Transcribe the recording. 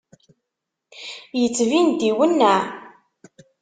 Yettbin-d iwenneɛ.